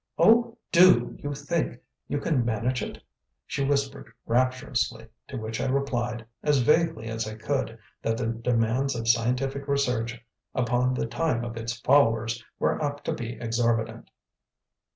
"Oh, DO you think you can manage it?" she whispered rapturously, to which I replied as vaguely as I could that the demands of scientific research upon the time of its followers were apt to be exorbitant.